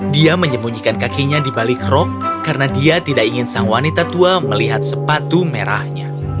dia menyembunyikan kakinya di balik rock karena dia tidak ingin sang wanita tua melihat sepatu merahnya